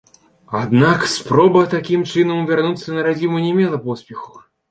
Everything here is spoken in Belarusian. Аднак спроба такім чынам вярнуцца на радзіму не мела поспеху.